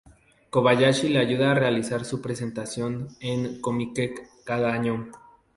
Kobayashi le ayuda a realizar su presentación en Comiket cada año.